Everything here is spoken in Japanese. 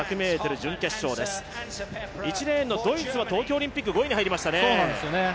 １レーンの東京オリンピック５位に入りましたね。